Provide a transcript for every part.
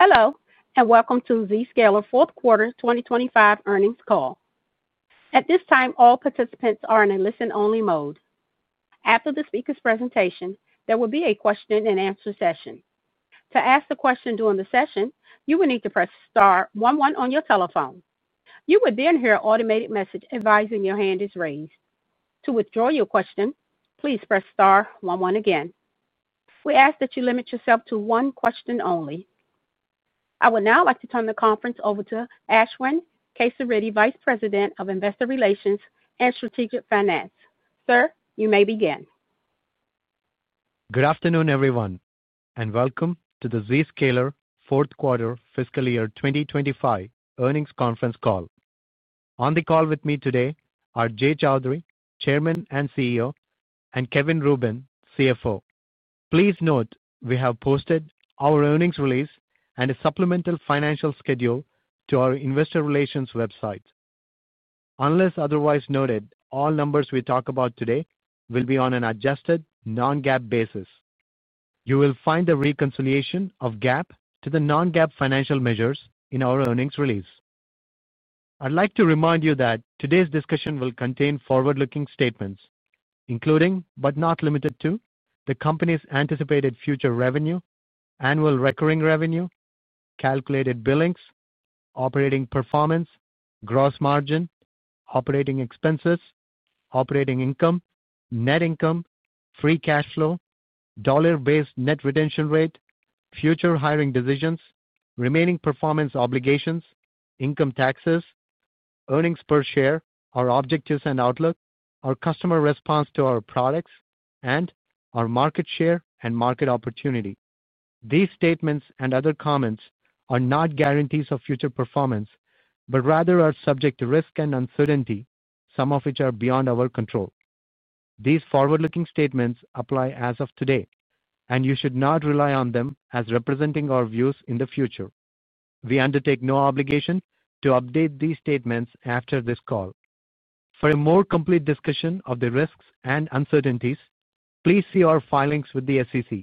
Hello, and welcome to the Zscaler Q4 2025 earnings call. At this time, all participants are in a listen-only mode. After the speaker's presentation, there will be a question and answer session. To ask a question during the session, you will need to press *11 on your telephone. You will then hear an automated message advising your hand is raised. To withdraw your question, please press *11 again. We ask that you limit yourself to one question only. I would now like to turn the conference over to Ashwin Kesireddy, Vice President of Investor Relations and Strategic Finance. Sir, you may begin. Good afternoon, everyone, and welcome to the Zscaler Q4 Fiscal Year 2025 earnings conference call. On the call with me today are Jay Chaudhry, Chairman and CEO, and Kevin Rubin, CFO. Please note we have posted our earnings release and a supplemental financial schedule to our investor relations website. Unless otherwise noted, all numbers we talk about today will be on an adjusted, non-GAAP basis. You will find the reconciliation of GAAP to the non-GAAP financial measures in our earnings release. I would like to remind you that today's discussion will contain forward-looking statements, including but not limited to the company's anticipated future revenue, annual recurring revenue, calculated billings, operating performance, gross margin, operating expenses, operating income, net income, free cash flow, dollar-based net retention rate, future hiring decisions, remaining performance obligations, income taxes, earnings per share, our objectives and outlook, our customer response to our products, and our market share and market opportunity. These statements and other comments are not guarantees of future performance, but rather are subject to risk and uncertainty, some of which are beyond our control. These forward-looking statements apply as of today, and you should not rely on them as representing our views in the future. We undertake no obligation to update these statements after this call. For a more complete discussion of the risks and uncertainties, please see our filings with the SEC,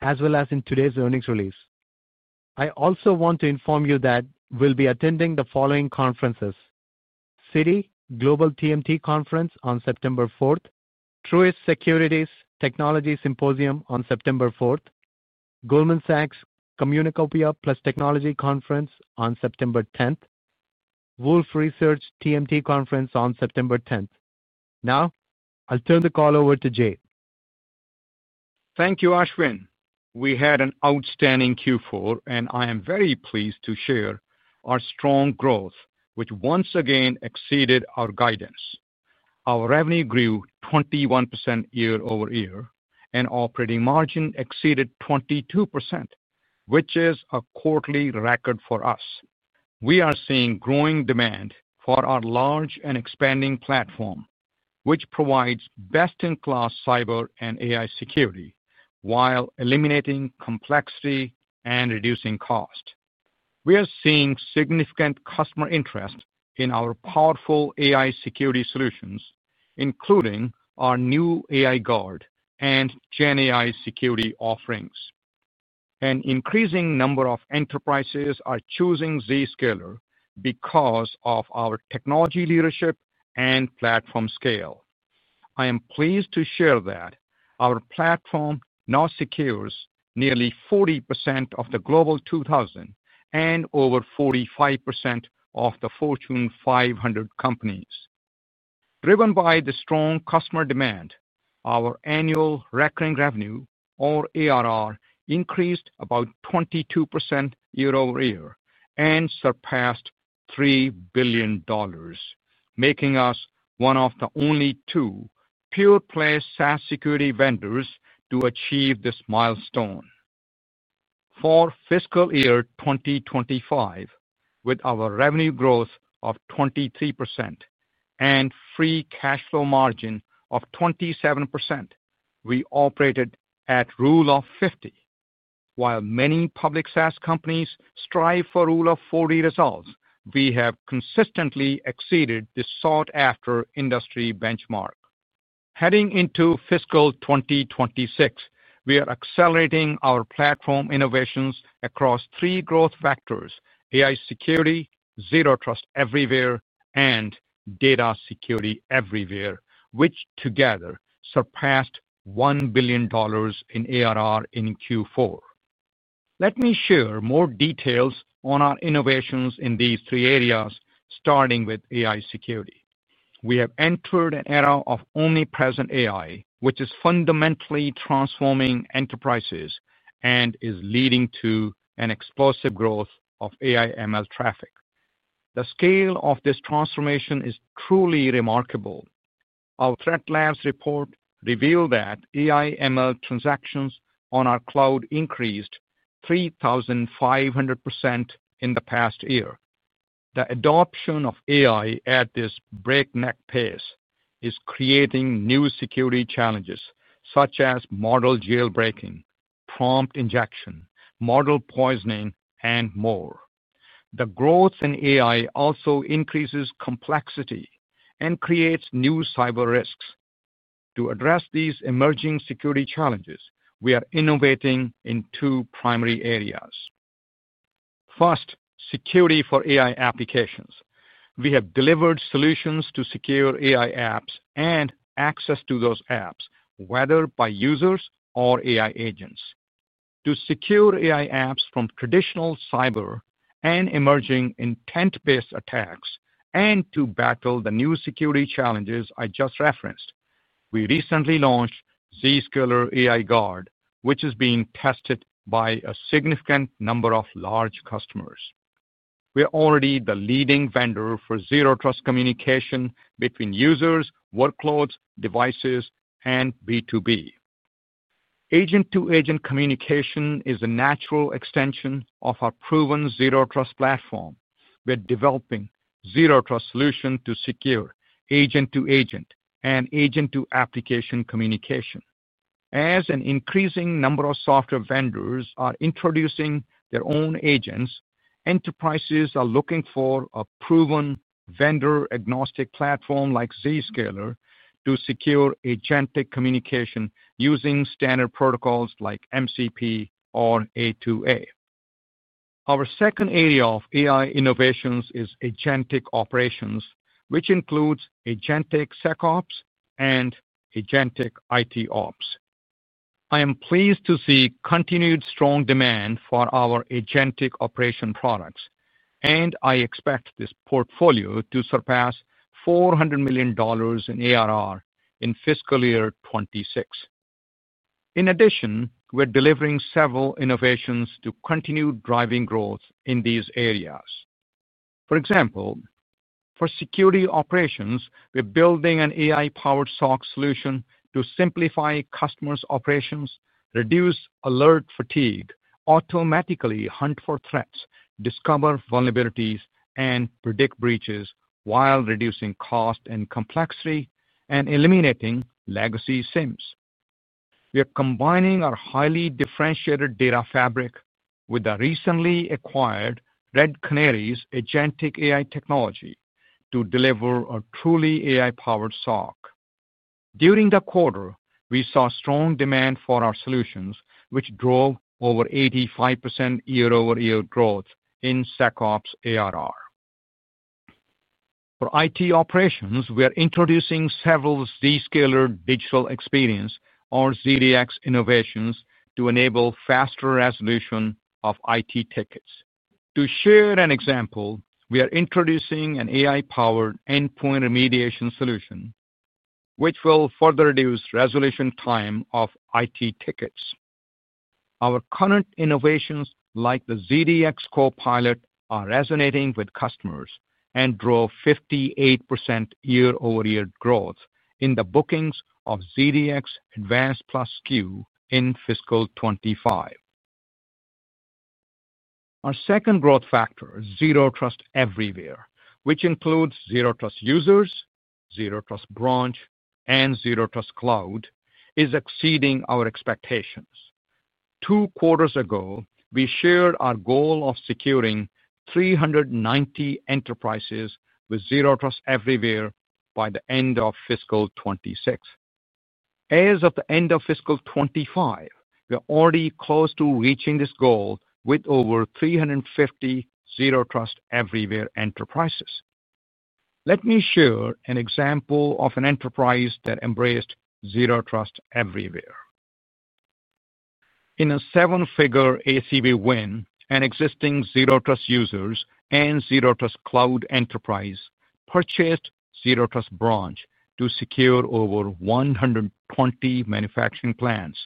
as well as in today's earnings release. I also want to inform you that we will be attending the following conferences: Citi Global TMT Conference on September 4th, Truist Securities Technology Symposium on September 4th, Goldman Sachs Communacopia Plus Technology Conference on September 10th, and Wolfe Research TMT Conference on September 10th. Now, I will turn the call over to Jay. Thank you, Ashwin. We had an outstanding Q4, and I am very pleased to share our strong growth, which once again exceeded our guidance. Our revenue grew 21% year-over-year, and operating margin exceeded 22%, which is a quarterly record for us. We are seeing growing demand for our large and expanding platform, which provides best-in-class cyber and AI security while eliminating complexity and reducing cost. We are seeing significant customer interest in our powerful AI security solutions, including our new AI Guard and GenAI Security offerings. An increasing number of enterprises are choosing Zscaler because of our technology leadership and platform scale. I am pleased to share that our platform now secures nearly 40% of the Global 2000 and over 45% of the Fortune 500 companies. Driven by the strong customer demand, our annual recurring revenue, or ARR, increased about 22% year-over-year and surpassed $3 billion, making us one of the only two pure-play SaaS security vendors to achieve this milestone. For fiscal year 2025, with our revenue growth of 23% and free cash flow margin of 27%, we operated at Rule of 50. While many public SaaS companies strive for Rule of 40 results, we have consistently exceeded the sought-after industry benchmark. Heading into fiscal 2026, we are accelerating our platform innovations across three growth vectors: AI Security, Zero Trust Everywhere, and Data Security Everywhere, which together surpassed $1 billion in ARR in Q4. Let me share more details on our innovations in these three areas, starting with AI Security. We have entered an era of omnipresent AI, which is fundamentally transforming enterprises and is leading to an explosive growth of AI/ML traffic. The scale of this transformation is truly remarkable. Our Threat Labs report revealed that AI/ML transactions on our cloud increased 3,500% in the past year. The adoption of AI at this breakneck pace is creating new security challenges, such as model jailbreaking, prompt injection, model poisoning, and more. The growth in AI also increases complexity and creates new cyber risks. To address these emerging security challenges, we are innovating in two primary areas. First, security for AI applications. We have delivered solutions to secure AI apps and access to those apps, whether by users or AI agents. To secure AI apps from traditional cyber and emerging intent-based attacks, and to battle the new security challenges I just referenced, we recently launched Zscaler AI Guard, which is being tested by a significant number of large customers. We are already the leading vendor for Zero Trust communication between users, workloads, devices, and B2B. Agent-to-agent communication is a natural extension of our proven Zero Trust platform. We are developing a Zero Trust solution to secure agent-to-agent and agent-to-application communication. As an increasing number of software vendors are introducing their own agents, enterprises are looking for a proven vendor-agnostic platform like Zscaler to secure agentic communication using standard protocols like MCP or A2A. Our second area of AI innovations is agentic operations, which includes agentic SecOps and agentic ITOps. I am pleased to see continued strong demand for our agentic operation products, and I expect this portfolio to surpass $400 million in ARR in fiscal year 2026. In addition, we are delivering several innovations to continue driving growth in these areas. For example, for security operations, we are building an AI-powered SOC solution to simplify customers' operations, reduce alert fatigue, automatically hunt for threats, discover vulnerabilities, and predict breaches while reducing cost and complexity and eliminating legacy SIMs. We are combining our highly differentiated data fabric with the recently acquired Red Canary's agentic AI technology to deliver a truly AI-powered SOC. During the quarter, we saw strong demand for our solutions, which drove over 85% year-over-year growth in SecOps ARR. For IT operations, we are introducing several Zscaler Digital Experience or ZDX innovations to enable faster resolution of IT tickets. To share an example, we are introducing an AI-powered endpoint remediation solution, which will further reduce resolution time of IT tickets. Our current innovations, like the ZDX Copilot, are resonating with customers and drove 58% year-over-year growth in the bookings of ZDX Advanced Plus Queue in fiscal 2025. Our second growth factor, Zero Trust Everywhere, which includes Zero Trust users, Zero Trust branch, and Zero Trust cloud, is exceeding our expectations. Two quarters ago, we shared our goal of securing 390 enterprises with Zero Trust Everywhere by the end of fiscal 2026. As of the end of fiscal 2025, we are already close to reaching this goal with over 350 Zero Trust Everywhere enterprises. Let me share an example of an enterprise that embraced Zero Trust Everywhere. In a seven-figure ACV win, an existing Zero Trust Users and Zero Trust Cloud enterprise purchased Zero Trust Branch to secure over 120 manufacturing plants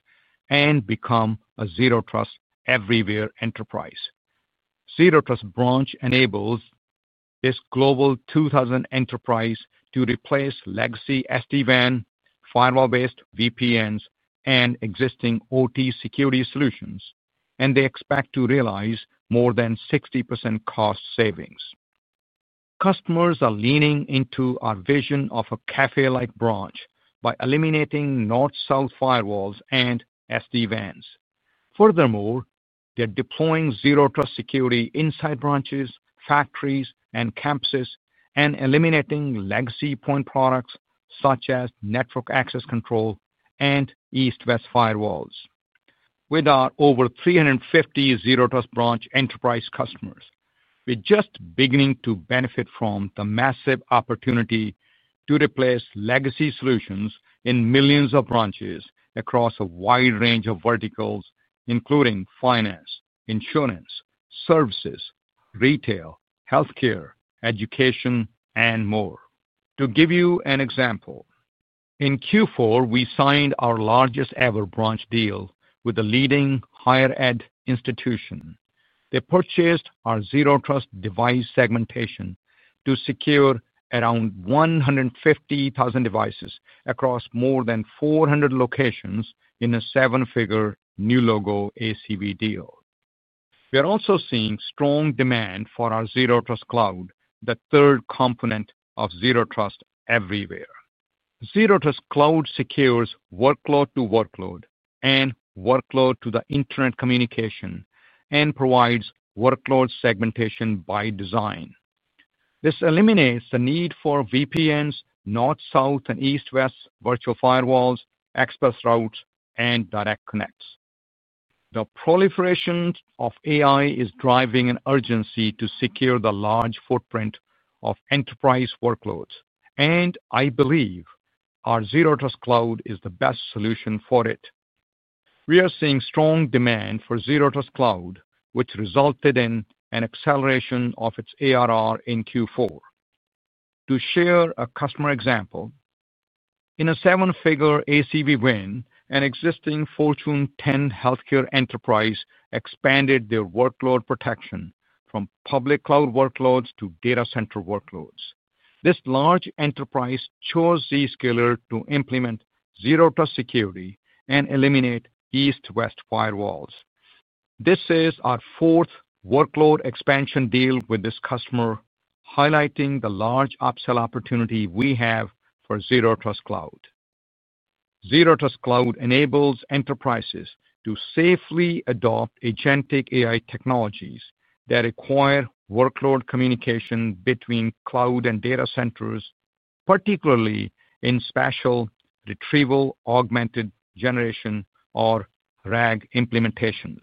and become a Zero Trust Everywhere enterprise. Zero Trust Branch enables this Global 2000 enterprise to replace legacy SD-WAN, firewall-based VPNs, and existing OT security solutions, and they expect to realize more than 60% cost savings. Customers are leaning into our vision of a café-like branch by eliminating north-south firewalls and SD-WANs. Furthermore, they are deploying Zero Trust security inside branches, factories, and campuses, and eliminating legacy point products such as network access control and east-west firewalls. With our over 350 Zero Trust Branch enterprise customers, we are just beginning to benefit from the massive opportunity to replace legacy solutions in millions of branches across a wide range of verticals, including finance, insurance, services, retail, healthcare, education, and more. To give you an example, in Q4, we signed our largest-ever branch deal with a leading higher-ed institution. They purchased our Zero Trust device segmentation to secure around 150,000 devices across more than 400 locations in a seven-figure new logo ACV deal. We are also seeing strong demand for our Zero Trust Cloud, the third component of Zero Trust Everywhere. Zero Trust Cloud secures workload-to-workload and workload-to-the-Internet communication and provides workload segmentation by design. This eliminates the need for VPNs, north-south and east-west virtual firewalls, express routes, and direct connects. The proliferation of AI is driving an urgency to secure the large footprint of enterprise workloads, and I believe our Zero Trust Cloud is the best solution for it. We are seeing strong demand for Zero Trust Cloud, which resulted in an acceleration of its ARR in Q4. To share a customer example, in a seven-figure ACV win, an existing Fortune 10 healthcare enterprise expanded their workload protection from public cloud workloads to data center workloads. This large enterprise chose Zscaler to implement Zero Trust security and eliminate east-west firewalls. This is our fourth workload expansion deal with this customer, highlighting the large upsell opportunity we have for Zero Trust Cloud. Zero Trust Cloud enables enterprises to safely adopt agentic AI technologies that require workload communication between cloud and data centers, particularly in spatial retrieval augmented generation or RAG implementations.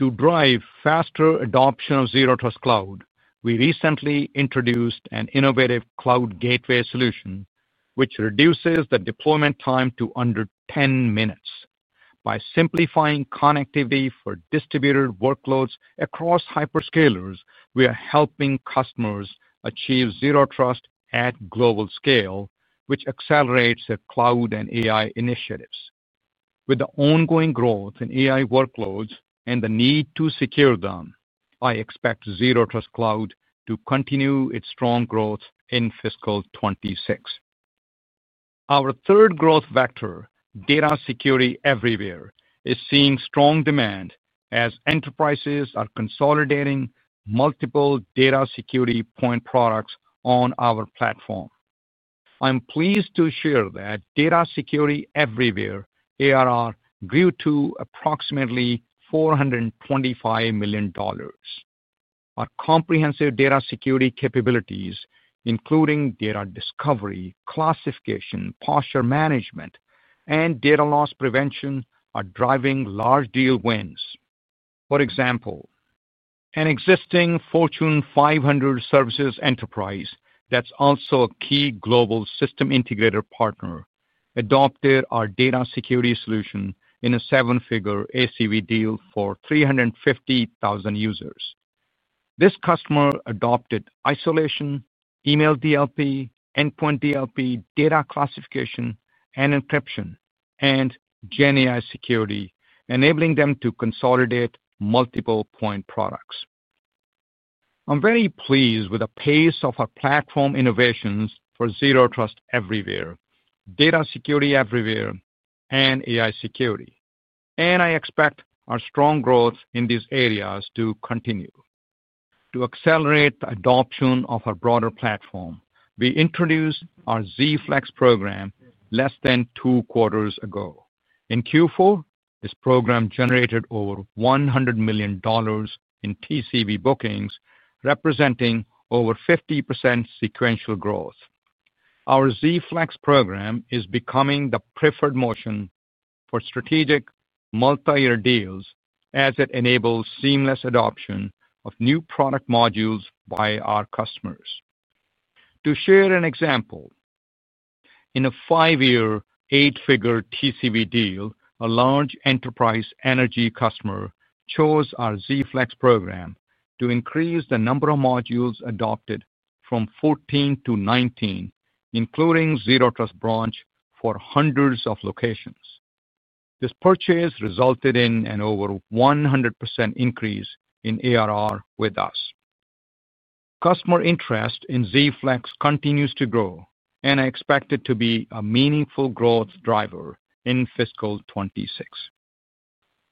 To drive faster adoption of Zero Trust Cloud, we recently introduced an innovative cloud gateway solution, which reduces the deployment time to under 10 minutes. By simplifying connectivity for distributed workloads across hyperscalers, we are helping customers achieve Zero Trust at global scale, which accelerates their cloud and AI initiatives. With the ongoing growth in AI workloads and the need to secure them, I expect Zero Trust Cloud to continue its strong growth in fiscal 2026. Our third growth vector, Data Security Everywhere, is seeing strong demand as enterprises are consolidating multiple data security point products on our platform. I am pleased to share that Data Security Everywhere ARR grew to approximately $425 million. Our comprehensive data security capabilities, including data discovery, classification, posture management, and data loss prevention, are driving large deal wins. For example, an existing Fortune 500 services enterprise that's also a key global system integrator partner adopted our data security solution in a seven-figure ACV deal for 350,000 users. This customer adopted isolation, email DLP, endpoint DLP, data classification, and encryption, and GenAI Security, enabling them to consolidate multiple point products. I'm very pleased with the pace of our platform innovations for Zero Trust Everywhere, Data Security Everywhere, and AI Security, and I expect our strong growth in these areas to continue. To accelerate the adoption of our broader platform, we introduced our ZFlex program less than two quarters ago. In Q4, this program generated over $100 million in TCV bookings, representing over 50% sequential growth. Our ZFlex program is becoming the preferred motion for strategic multi-year deals as it enables seamless adoption of new product modules by our customers. To share an example, in a five-year eight-figure TCV deal, a large enterprise energy customer chose our ZFlex program to increase the number of modules adopted from 14 to 19, including Zero Trust Branch for hundreds of locations. This purchase resulted in an over 100% increase in ARR with us. Customer interest in ZFlex continues to grow, and I expect it to be a meaningful growth driver in fiscal 2026.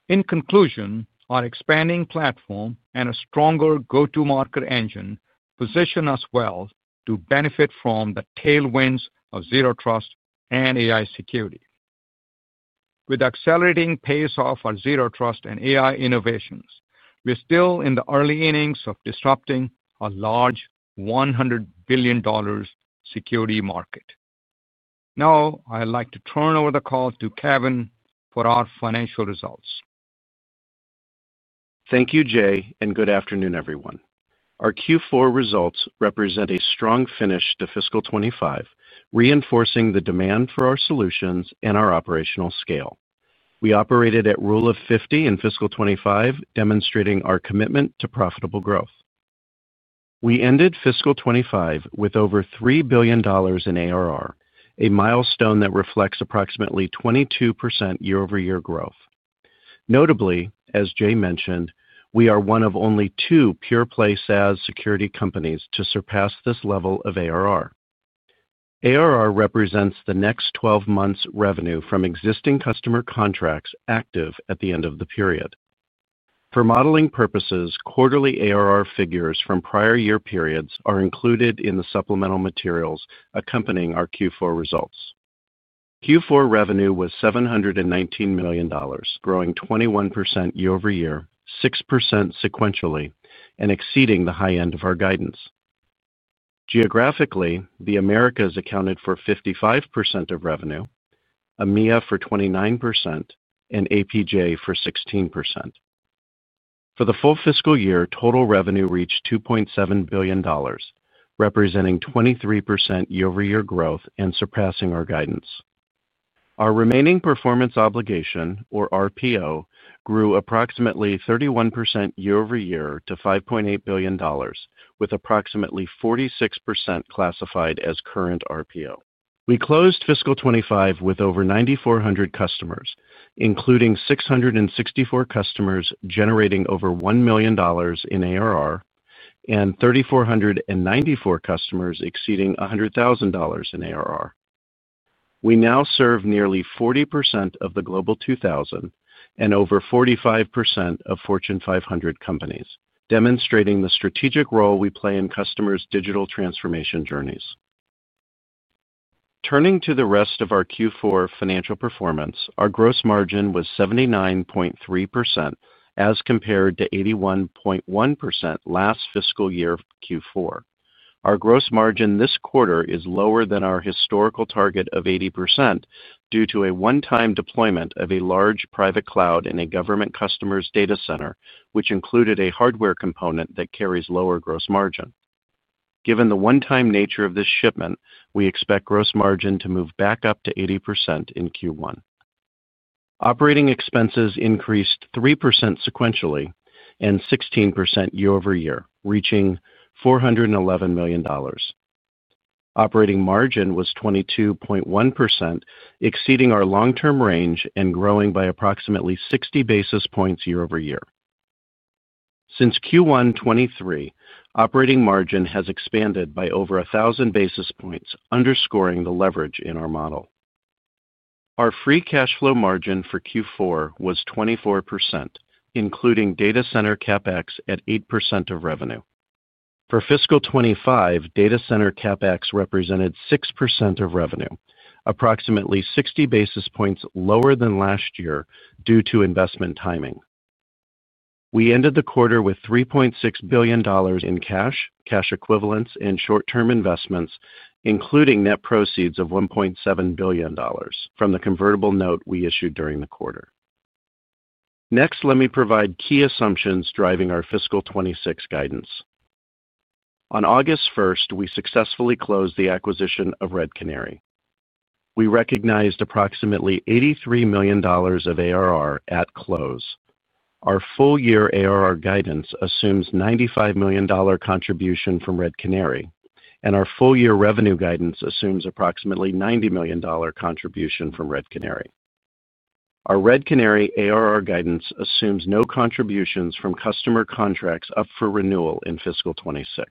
In conclusion, our expanding platform and a stronger go-to-market engine position us well to benefit from the tailwinds of Zero Trust and AI Security. With the accelerating pace of our Zero Trust and AI innovations, we are still in the early innings of disrupting a large $100 billion security market. Now, I would like to turn over the call to Kevin for our financial results. Thank you, Jay, and good afternoon, everyone. Our Q4 results represent a strong finish to fiscal 2025, reinforcing the demand for our solutions and our operational scale. We operated at Rule of 50 in fiscal 2025, demonstrating our commitment to profitable growth. We ended fiscal 2025 with over $3 billion in ARR, a milestone that reflects approximately 22% year-over-year growth. Notably, as Jay mentioned, we are one of only two pure-play SaaS security companies to surpass this level of ARR. ARR represents the next 12 months' revenue from existing customer contracts active at the end of the period. For modeling purposes, quarterly ARR figures from prior year periods are included in the supplemental materials accompanying our Q4 results. Q4 revenue was $719 million, growing 21% year-over-year, 6% sequentially, and exceeding the high end of our guidance. Geographically, the Americas accounted for 55% of revenue, EMEA for 29%, and APJ for 16%. For the full fiscal year, total revenue reached $2.7 billion, representing 23% year-over-year growth and surpassing our guidance. Our remaining performance obligation, or RPO, grew approximately 31% year-over-year to $5.8 billion, with approximately 46% classified as current RPO. We closed fiscal 2025 with over 9,400 customers, including 664 customers generating over $1 million in ARR and 3,494 customers exceeding $100,000 in ARR. We now serve nearly 40% of the Global 2000 and over 45% of Fortune 500 companies, demonstrating the strategic role we play in customers' digital transformation journeys. Turning to the rest of our Q4 financial performance, our gross margin was 79.3% as compared to 81.1% last fiscal year Q4. Our gross margin this quarter is lower than our historical target of 80% due to a one-time deployment of a large private cloud in a government customer's data center, which included a hardware component that carries lower gross margin. Given the one-time nature of this shipment, we expect gross margin to move back up to 80% in Q1. Operating expenses increased 3% sequentially and 16% year-over-year, reaching $411 million. Operating margin was 22.1%, exceeding our long-term range and growing by approximately 60 basis points year-over-year. Since Q1 2023, operating margin has expanded by over 1,000 basis points, underscoring the leverage in our model. Our free cash flow margin for Q4 was 24%, including data center CapEx at 8% of revenue. For fiscal 2025, data center CapEx represented 6% of revenue, approximately 60 basis points lower than last year due to investment timing. We ended the quarter with $3.6 billion in cash, cash equivalents, and short-term investments, including net proceeds of $1.7 billion from the convertible note we issued during the quarter. Next, let me provide key assumptions driving our fiscal 2026 guidance. On August 1, we successfully closed the acquisition of Red Canary. We recognized approximately $83 million of ARR at close. Our full-year ARR guidance assumes a $95 million contribution from Red Canary, and our full-year revenue guidance assumes approximately a $90 million contribution from Red Canary. Our Red Canary ARR guidance assumes no contributions from customer contracts up for renewal in fiscal 2026.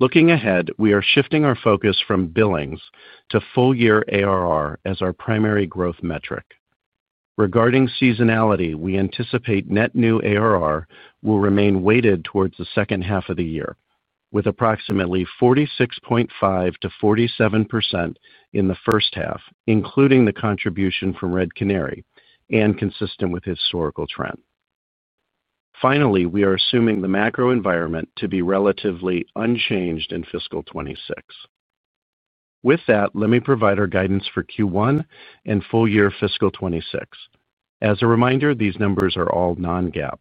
Looking ahead, we are shifting our focus from billings to full-year ARR as our primary growth metric. Regarding seasonality, we anticipate net new ARR will remain weighted towards the second half of the year, with approximately 46.5% to 47% in the first half, including the contribution from Red Canary, and consistent with historical trend. Finally, we are assuming the macro environment to be relatively unchanged in fiscal 2026. With that, let me provide our guidance for Q1 and full-year fiscal 2026. As a reminder, these numbers are all non-GAAP.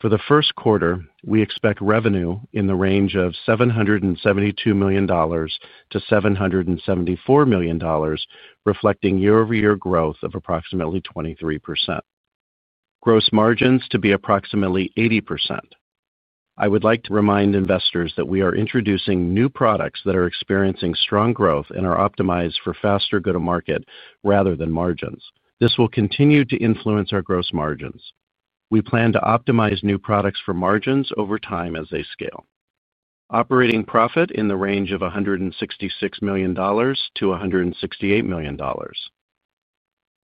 For the first quarter, we expect revenue in the range of $772 million to $774 million, reflecting year-over-year growth of approximately 23%. Gross margins to be approximately 80%. I would like to remind investors that we are introducing new products that are experiencing strong growth and are optimized for faster go-to-market rather than margins. This will continue to influence our gross margins. We plan to optimize new products for margins over time as they scale. Operating profit in the range of $166 million to $168 million.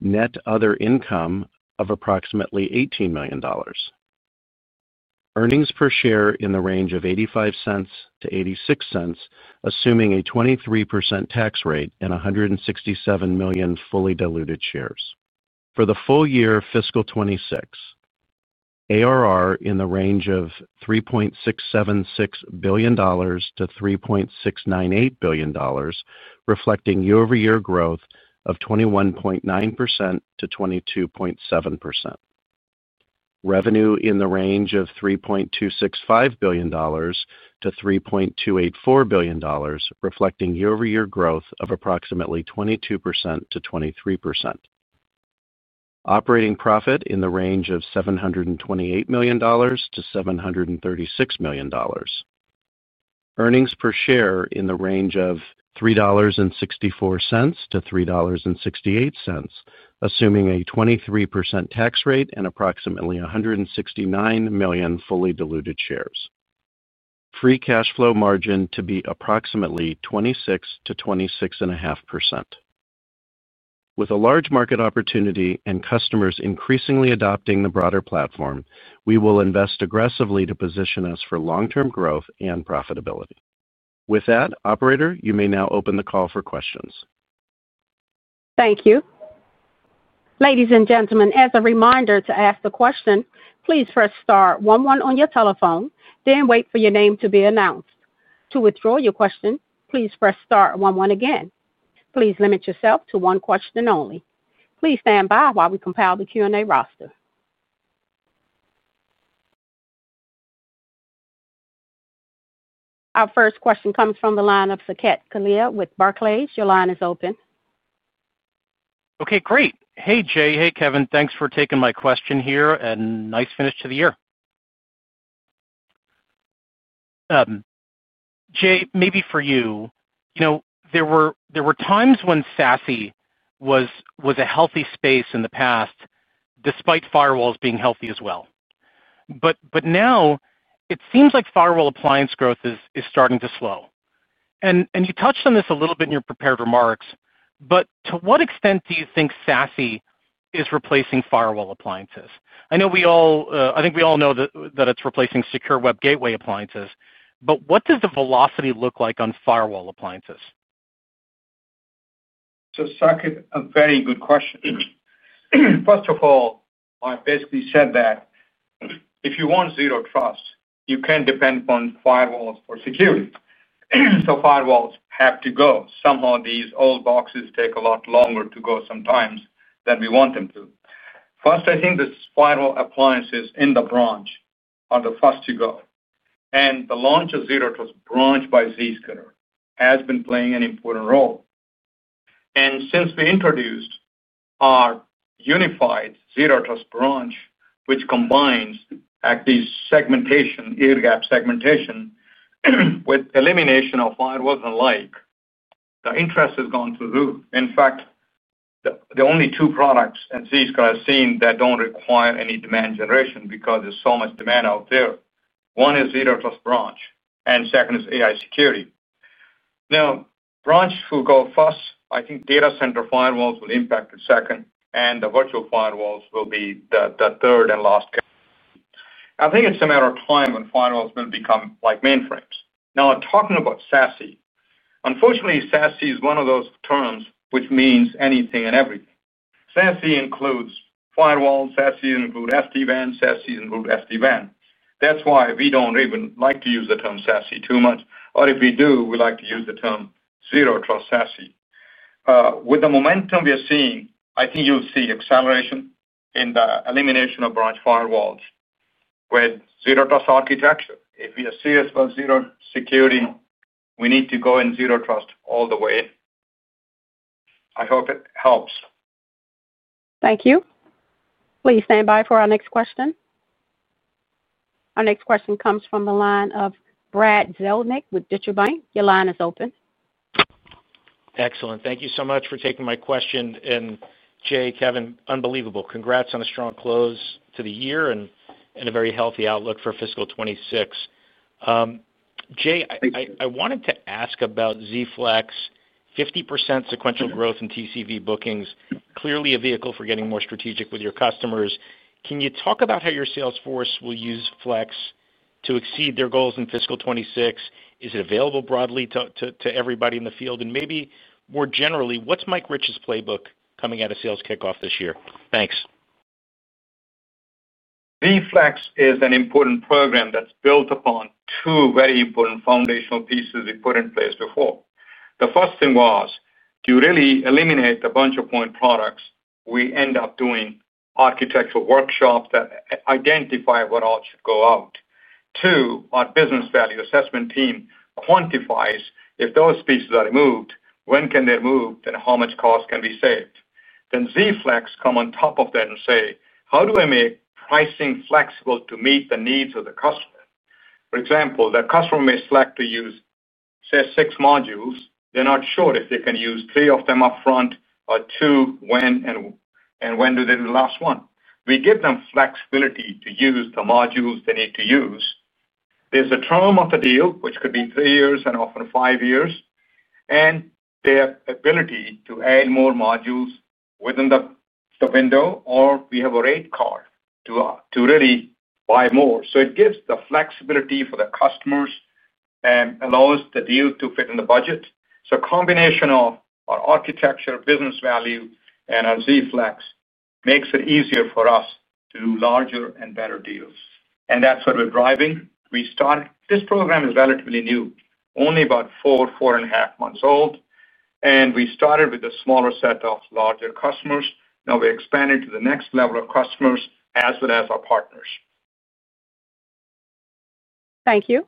Net other income of approximately $18 million. Earnings per share in the range of $0.85 to $0.86, assuming a 23% tax rate and 167 million fully diluted shares. For the full-year fiscal 2026, ARR in the range of $3.676 billion to $3.698 billion, reflecting year-over-year growth of 21.9% to 22.7%. Revenue in the range of $3.265 billion to $3.284 billion, reflecting year-over-year growth of approximately 22% to 23%. Operating profit in the range of $728 million to $736 million. Earnings per share in the range of $3.64 to $3.68, assuming a 23% tax rate and approximately 169 million fully diluted shares. Free cash flow margin to be approximately 26% to 26.5%. With a large market opportunity and customers increasingly adopting the broader platform, we will invest aggressively to position us for long-term growth and profitability. With that, operator, you may now open the call for questions. Thank you. Ladies and gentlemen, as a reminder to ask a question, please press *11 on your telephone, then wait for your name to be announced. To withdraw your question, please press *11 again. Please limit yourself to one question only. Please stand by while we compile the Q&A roster. Our first question comes from the line of Saket Kalia with Barclays. Your line is open. Okay, great. Hey, Jay. Hey, Kevin. Thanks for taking my question here, and nice finish to the year. Jay, maybe for you, there were times when SASE was a healthy space in the past, despite firewalls being healthy as well. Now it seems like firewall appliance growth is starting to slow. You touched on this a little bit in your prepared remarks. To what extent do you think SASE is replacing firewall appliances? I know we all, I think we all know that it's replacing secure web gateway appliances, but what does the velocity look like on firewall appliances? A very good question. First of all, I basically said that if you want Zero Trust, you can't depend upon firewalls for security. Firewalls have to go. Somehow, these old boxes take a lot longer to go sometimes than we want them to. I think the firewall appliances in the branch are the first to go. The launch of Zero Trust Branch by Zscaler has been playing an important role. Since we introduced our unified Zero Trust Branch, which combines at least segmentation, air gap segmentation, with elimination of firewalls alike, the interest has gone to zero. In fact, the only two products at Zscaler I've seen that don't require any demand generation because there's so much demand out there are Zero Trust Branch and AI Security. Branch will go first. I think data center firewalls will impact the second, and the virtual firewalls will be the third and last gap. I think it's a matter of time when firewalls will become like mainframes. Talking about SASE, unfortunately, SASE is one of those terms which means anything and everything. SASE includes firewalls. SASE includes SD-WAN. SASE includes SD-WAN. That's why we don't even like to use the term SASE too much. If we do, we like to use the term Zero Trust SASE. With the momentum we are seeing, I think you'll see acceleration in the elimination of branch firewalls with Zero Trust architecture. If we are serious about zero security, we need to go in Zero Trust all the way. I hope it helps. Thank you. Please stand by for our next question. Our next question comes from the line of Brad Zelnick with Deutsche Bank. Your line is open. Excellent. Thank you so much for taking my question. Jay, Kevin, unbelievable. Congrats on a strong close to the year and a very healthy outlook for fiscal 2026. Jay, I wanted to ask about ZFlex, 50% sequential growth in TCV bookings, clearly a vehicle for getting more strategic with your customers. Can you talk about how your sales force will use Flex to exceed their goals in fiscal 2026? Is it available broadly to everybody in the field? Maybe more generally, what's Mike Rich's playbook coming out of sales kickoff this year? Thanks. ZFlex is an important program that's built upon two very important foundational pieces we put in place before. The first thing was, do you really eliminate the bunch of point products? We end up doing architectural workshops that identify what all should go out. Two, our business value assessment team quantifies if those pieces are removed, when can they be removed, and how much cost can be saved. ZFlex comes on top of that and says, how do I make pricing flexible to meet the needs of the customer? For example, the customer may select to use, say, six modules. They're not sure if they can use three of them upfront or two, when, and when do they do the last one? We give them flexibility to use the modules they need to use. There's a term of the deal, which could be three years and often five years, and their ability to add more modules within the window, or we have a rate card to really buy more. It gives the flexibility for the customers and allows the deal to fit in the budget. A combination of our architecture, business value, and our ZFlex makes it easier for us to do larger and better deals. That's what we're driving. We started this program, it is relatively new, only about four, four and a half months old. We started with a smaller set of larger customers. Now we're expanding to the next level of customers as well as our partners. Thank you.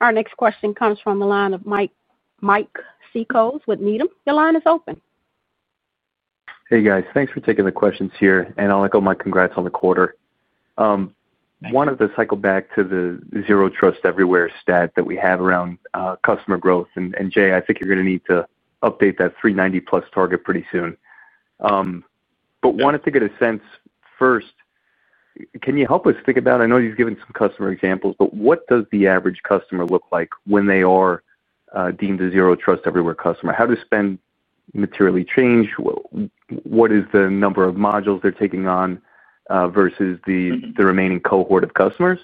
Our next question comes from the line of Mike Cikos with Needham. Your line is open. Hey, guys. Thanks for taking the questions here. I'll echo my congrats on the quarter. I want to cycle back to the Zero Trust Everywhere stat that we have around customer growth. Jay, I think you're going to need to update that 390 plus target pretty soon. I wanted to get a sense first, can you help us think about, I know you've given some customer examples, but what does the average customer look like when they are deemed a Zero Trust Everywhere customer? How does spend materially change? What is the number of modules they're taking on versus the remaining cohort of customers?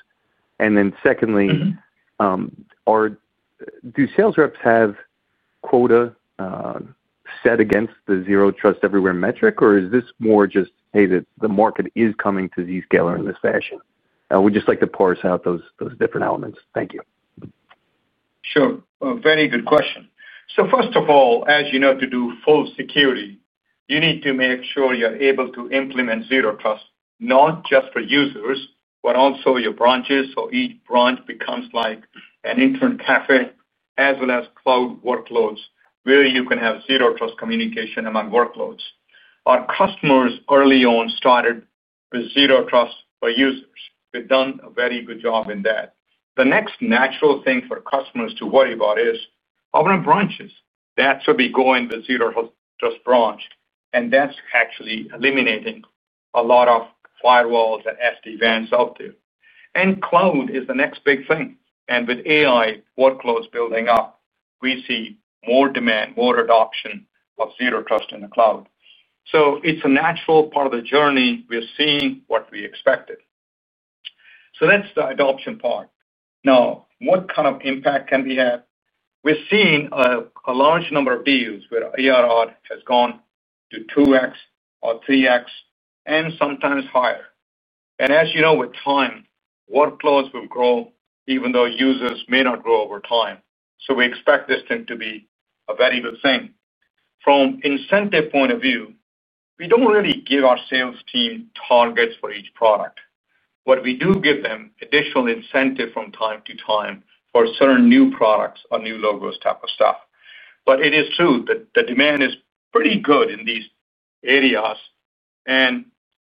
Secondly, do sales reps have quota set against the Zero Trust Everywhere metric, or is this more just, hey, the market is coming to Zscaler in this fashion? We'd just like to parse out those different elements. Thank you. Sure. Very good question. First of all, as you know, to do full security, you need to make sure you're able to implement Zero Trust, not just for users, but also your branches. Each branch becomes like an internet cafe, as well as cloud workloads, where you can have Zero Trust communication among workloads. Our customers early on started with Zero Trust for users. We've done a very good job in that. The next natural thing for customers to worry about is our branches. That's where we go in the Zero Trust Branch. That's actually eliminating a lot of firewalls and SD-WANs out there. Cloud is the next big thing. With AI workloads building up, we see more demand, more adoption of Zero Trust in the cloud. It's a natural part of the journey. We're seeing what we expected. That's the adoption part. Now, what kind of impact can we have? We're seeing a large number of deals where ARR has gone to 2x or 3x and sometimes higher. As you know, with time, workloads will grow, even though users may not grow over time. We expect this thing to be a very good thing. From an incentive point of view, we don't really give our sales team targets for each product. What we do give them is additional incentive from time to time for certain new products or new logos type of stuff. It is true that the demand is pretty good in these areas.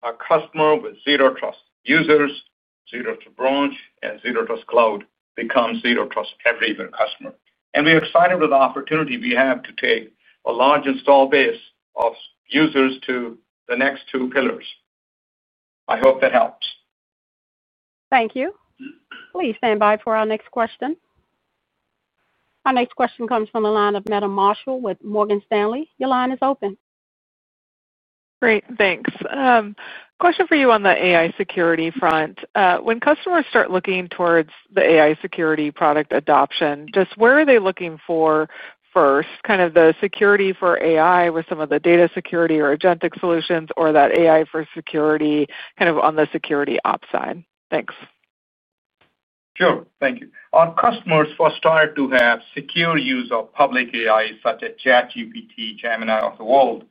A customer with Zero Trust users, Zero Trust Branch, and Zero Trust Cloud becomes a Zero Trust Everywhere customer. We're excited with the opportunity we have to take a large install base of users to the next two pillars. I hope that helps. Thank you. Please stand by for our next question. Our next question comes from the line of Meta Marshall with Morgan Stanley. Your line is open. Great, thanks. Question for you on the AI security front. When customers start looking towards the AI security product adoption, just where are they looking for first, kind of the security for AI with some of the data security or agentic AI solutions, or that AI for security, kind of on the SecOps side? Thanks. Sure, thank you. Our customers first started to have secure use of public AI, such as ChatGPT, Gemini, or the world.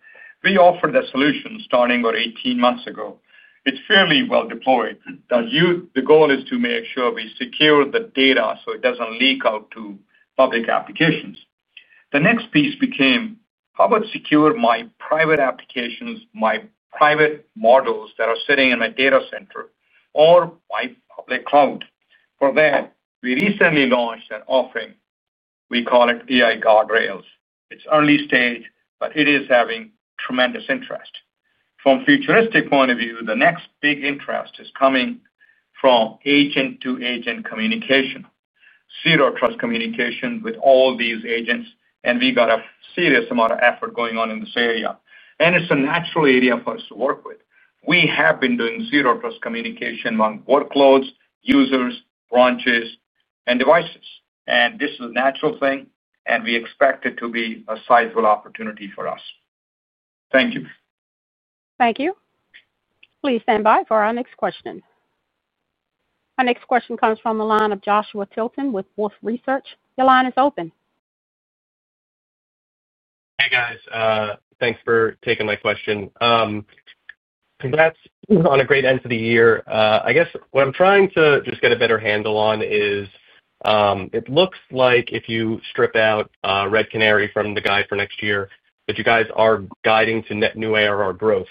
We offered the solution starting about 18 months ago. It's fairly well deployed. The goal is to make sure we secure the data so it doesn't leak out to public applications. The next piece became, how about securing my private applications, my private models that are sitting in a data center or my public cloud? For that, we recently launched an offering. We call it AI Guard. It's early stage, but it is having tremendous interest. From a futuristic point of view, the next big interest is coming from agent-to-agent communication. Zero Trust communication with all these agents, and we've got a serious amount of effort going on in this area. It is a natural area for us to work with. We have been doing Zero Trust communication among workloads, users, branches, and devices. This is a natural thing, and we expect it to be a sizable opportunity for us. Thank you. Thank you. Please stand by for our next question. Our next question comes from the line of Joshua Tilton with Wolfe Research. Your line is open. Hey, guys. Thanks for taking my question. That's on a great end to the year. I guess what I'm trying to just get a better handle on is, it looks like if you strip out Red Canary from the guide for next year, that you guys are guiding to net new ARR growth,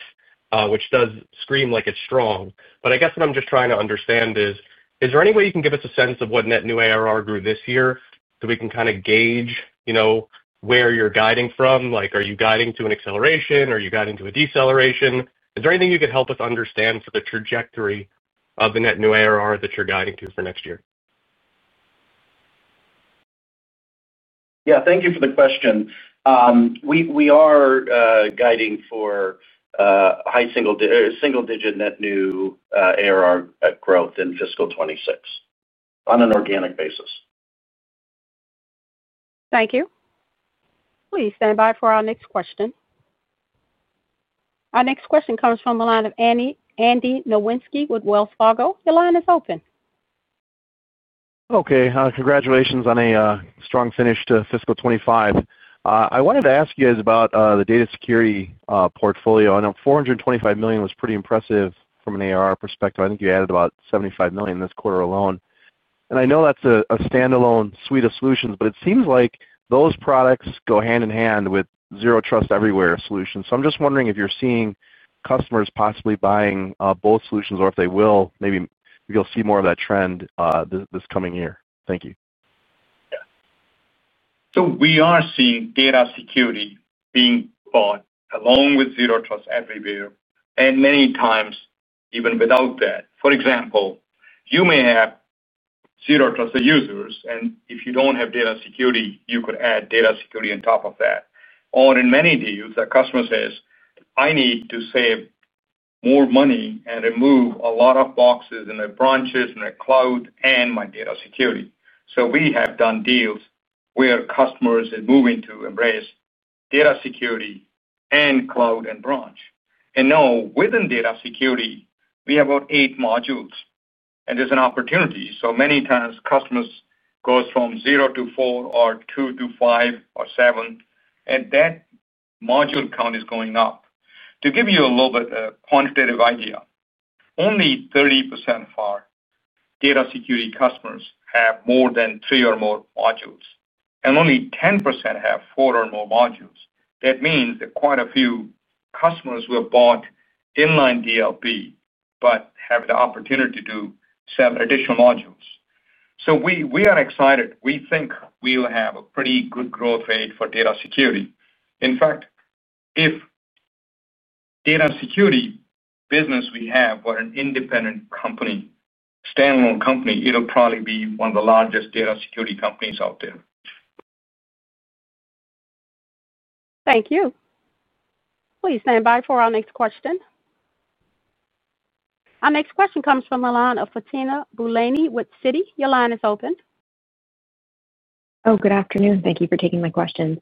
which does scream like it's strong. I guess what I'm just trying to understand is, is there any way you can give us a sense of what net new ARR grew this year so we can kind of gauge, you know, where you're guiding from? Are you guiding to an acceleration? Are you guiding to a deceleration? Is there anything you could help us understand for the trajectory of the net new ARR that you're guiding to for next year? Thank you for the question. We are guiding for a high single-digit net new ARR growth in fiscal 2026, on an organic basis. Thank you. Please stand by for our next question. Our next question comes from the line of Andy Nowinski with Wells Fargo. Your line is open. Okay, congratulations on a strong finish to fiscal 2025. I wanted to ask you guys about the data security portfolio. I know $425 million was pretty impressive from an ARR perspective. I think you added about $75 million this quarter alone. I know that's a standalone suite of solutions, but it seems like those products go hand in hand with Zero Trust Everywhere solutions. I'm just wondering if you're seeing customers possibly buying both solutions, or if they will, maybe you'll see more of that trend this coming year. Thank you. We are seeing data security being bought along with Zero Trust Everywhere, and many times even without that. For example, you may have Zero Trust users, and if you don't have data security, you could add data security on top of that. In many deals, a customer says, I need to save more money and remove a lot of boxes in the branches and the cloud and my data security. We have done deals where customers are moving to embrace data security and cloud and branch. Within data security, we have about eight modules, and there's an opportunity. Many times customers go from zero to four or two to five or seven, and that module count is going up. To give you a little bit of a quantitative idea, only 30% of our data security customers have more than three or more modules, and only 10% have four or more modules. That means that quite a few customers who have bought inline DLP have the opportunity to sell additional modules. We are excited. We think we will have a pretty good growth rate for data security. In fact, if the data security business we have were an independent company, a standalone company, it would probably be one of the largest data security companies out there. Thank you. Please stand by for our next question. Our next question comes from the line of Fatima Boolani with Citi. Your line is open. Oh, good afternoon. Thank you for taking my questions.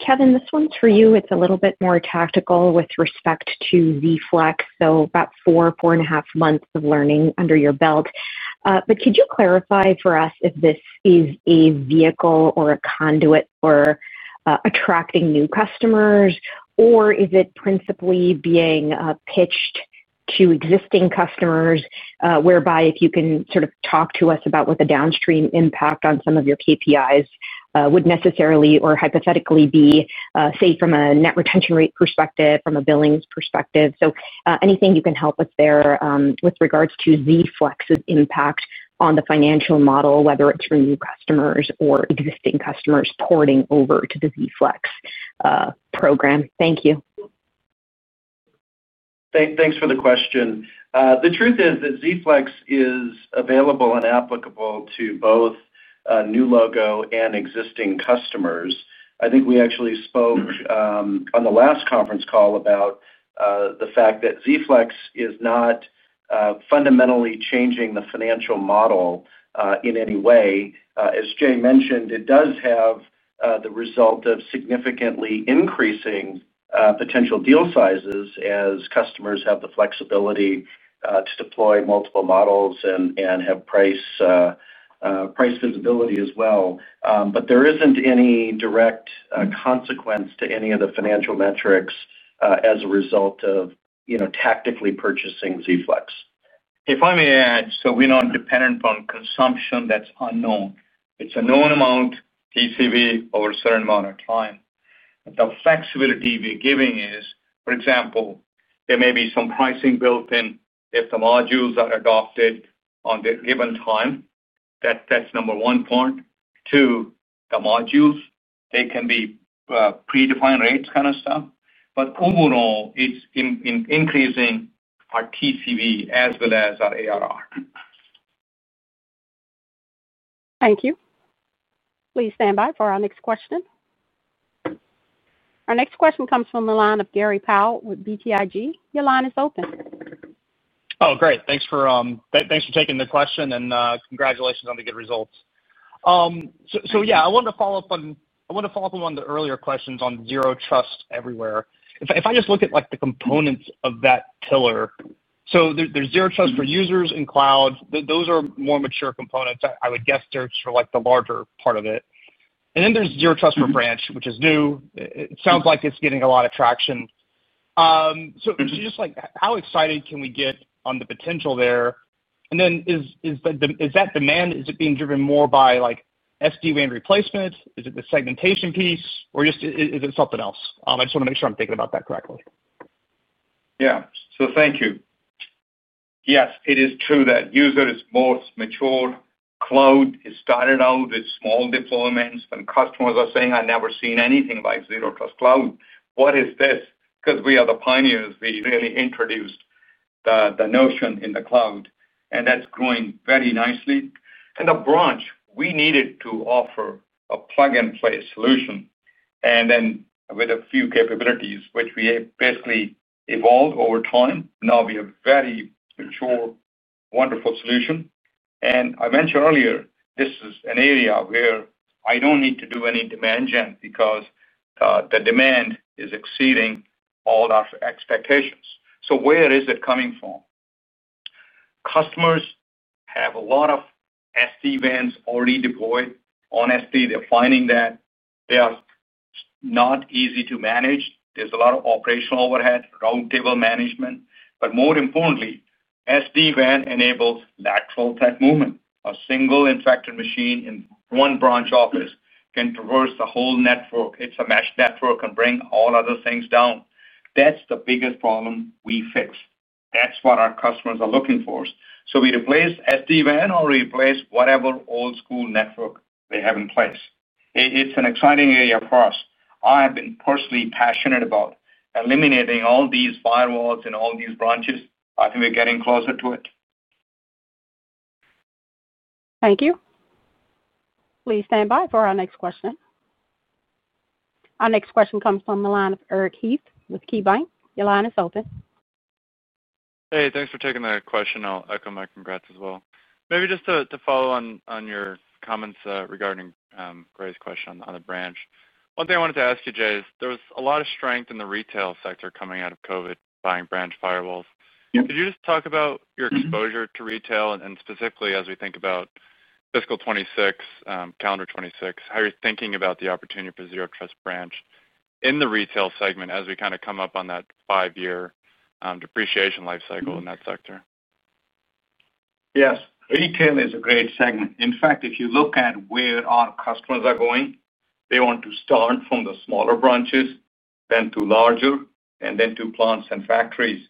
Kevin, this one's for you. It's a little bit more tactical with respect to ZFlex. About four, four and a half months of learning under your belt. Could you clarify for us if this is a vehicle or a conduit for attracting new customers, or is it principally being pitched to existing customers, whereby if you can sort of talk to us about what the downstream impact on some of your KPIs would necessarily or hypothetically be, say, from a net retention rate perspective, from a billings perspective. Anything you can help with there with regards to ZFlex's impact on the financial model, whether it's for new customers or existing customers porting over to the ZFlex program. Thank you. Thanks for the question. The truth is that ZFlex is available and applicable to both new logo and existing customers. I think we actually spoke on the last conference call about the fact that ZFlex is not fundamentally changing the financial model in any way. As Jay mentioned, it does have the result of significantly increasing potential deal sizes as customers have the flexibility to deploy multiple models and have price visibility as well. There isn't any direct consequence to any of the financial metrics as a result of tactically purchasing ZFlex. If I may add, we're not dependent upon consumption that's unknown. It's a known amount, TCV, over a certain amount of time. The flexibility we're giving is, for example, there may be some pricing built in if the modules are adopted on the given time. That's number one point. Two, the modules, they can be predefined rates kind of stuff. Overall, it's increasing our TCV as well as our ARR. Thank you. Please stand by for our next question. Our next question comes from the line of Gray Powell with BTIG. Your line is open. Great, thanks for taking the question and congratulations on the good results. I wanted to follow up on one of the earlier questions on Zero Trust Everywhere. If I just look at the components of that pillar, there's Zero Trust for users and cloud. Those are more mature components. I would guess they're the larger part of it. Then there's Zero Trust for branch, which is new. It sounds like it's getting a lot of traction. How excited can we get on the potential there? Is that demand being driven more by SD-WAN replacement, is it the segmentation piece, or is it something else? I just want to make sure I'm thinking about that correctly. Yeah, so thank you. Yes, it is true that users are more matured. Cloud started out with small deployments. When customers are saying, "I never seen anything like Zero Trust Cloud, what is this?" because we are the pioneers. We really introduced the notion in the cloud, and that's growing very nicely. In the branch, we needed to offer a plug-and-play solution. With a few capabilities, which we basically evolved over time, now we have a very mature, wonderful solution. I mentioned earlier, this is an area where I don't need to do any demand gen because the demand is exceeding all our expectations. Where is it coming from? Customers have a lot of SD-WANs already deployed. Honestly, they're finding that they are not easy to manage. There's a lot of operational overhead, roundtable management. More importantly, SD-WAN enables lateral-type movement. A single infected machine in one branch office can traverse the whole network. It's a mesh network and brings all other things down. That's the biggest problem we fix. That's what our customers are looking for. We replace SD-WAN or replace whatever old-school network they have in place. It's an exciting area for us. I have been personally passionate about eliminating all these firewalls in all these branches. I think we're getting closer to it. Thank you. Please stand by for our next question. Our next question comes from the line of Eric Heath with KeyBanc. Your line is open. Hey, thanks for taking that question. I'll echo my congrats as well. Maybe just to follow on your comments regarding Greg's question on the branch. One thing I wanted to ask you, Jay, is there was a lot of strength in the retail sector coming out of COVID, buying branch firewalls. Could you just talk about your exposure to retail and specifically as we think about fiscal 2026, calendar 2026, how you're thinking about the opportunity for Zero Trust Branch in the retail segment as we kind of come up on that five-year depreciation lifecycle in that sector? Yes, retail is a great segment. In fact, if you look at where our customers are going, they want to start from the smaller branches, then to larger, and then to plants and factories.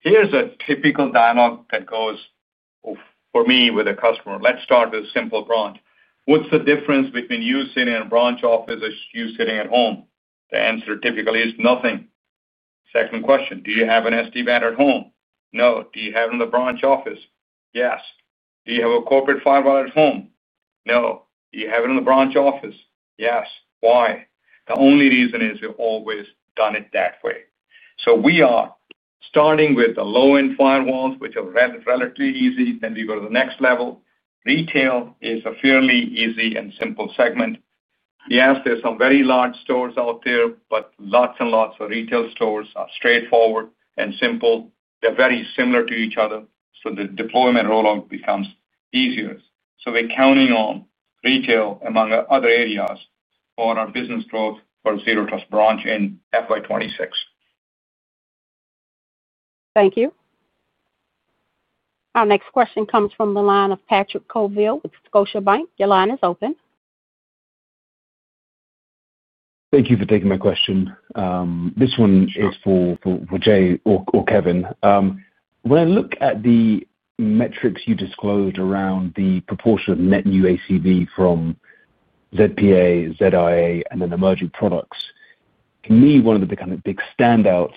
Here's a typical dialogue that goes for me with a customer. Let's start with a simple branch. What's the difference between you sitting in a branch office and you sitting at home? The answer typically is nothing. Second question, do you have an SD-WAN at home? No. Do you have it in the branch office? Yes. Do you have a corporate firewall at home? No. Do you have it in the branch office? Yes. Why? The only reason is we've always done it that way. We are starting with the low-end firewalls, which are relatively easy. We go to the next level. Retail is a fairly easy and simple segment. Yes, there are some very large stores out there, but lots and lots of retail stores are straightforward and simple. They're very similar to each other, so the deployment rollout becomes easier. We're counting on retail among other areas for our business growth for Zero Trust Branch in FY 2026. Thank you. Our next question comes from the line of Patrick Colville with Scotiabank. Your line is open. Thank you for taking my question. This one is for Jay or Kevin. When I look at the metrics you disclosed around the proportion of net new ACV from ZPA, ZIA, and then emerging products, to me, one of the kind of big standouts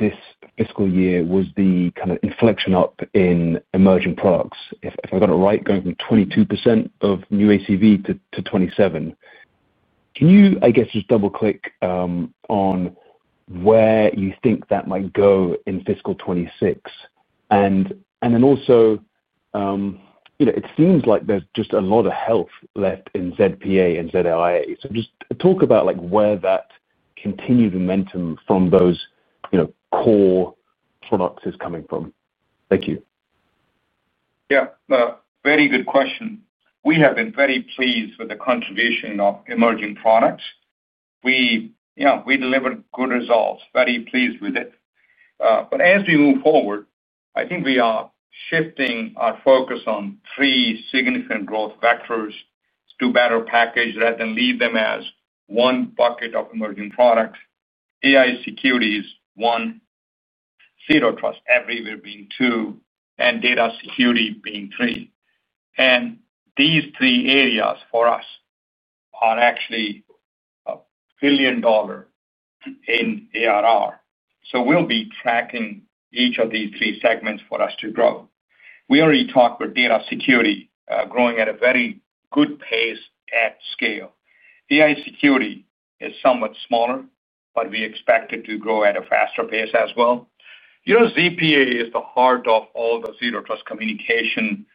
this fiscal year was the kind of inflection up in emerging products. If I got it right, going from 22% of new ACV to 27%. Can you, I guess, just double-click on where you think that might go in fiscal 2026? Also, you know, it seems like there's just a lot of health left in ZPA and ZIA. Just talk about where that continued momentum from those, you know, core products is coming from. Thank you. Yeah, very good question. We have been very pleased with the contribution of emerging products. We delivered good results, very pleased with it. As we move forward, I think we are shifting our focus on three significant growth vectors to better package that and leave them as one bucket of emerging products. AI security is one, Zero Trust Everywhere being two, and data security being three. These three areas for us are actually billion-dollar in ARR. We'll be tracking each of these three segments for us to grow. We already talked about data security growing at a very good pace at scale. AI security is somewhat smaller, but we expect it to grow at a faster pace as well. ZPA is the heart of all the Zero Trust communication.